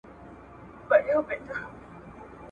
غیبت او چغلي مه کوئ.